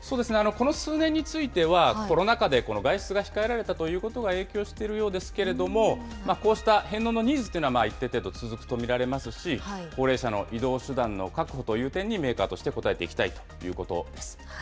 この数年については、コロナ禍で外出が控えられたということが影響しているようですけれども、こうした返納のニーズというのは一定程度続くと見られますし、高齢者の移動手段の確保という点に、メーカーとして応えていきたいということです。